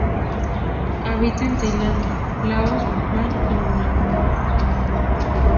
Habita en Tailandia, Laos, Vietnam y Hunan.